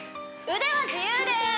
腕は自由です